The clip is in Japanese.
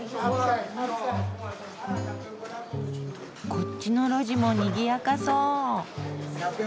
こっちの路地もにぎやかそう。